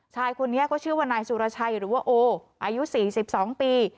ชายคนนี้ก็ชื่อว่านายสุรชัยหรือว่าโออายุ๔๒ปี